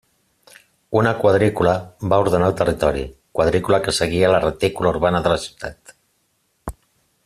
Una quadrícula va ordenar el territori, quadrícula que seguia la retícula urbana de la ciutat.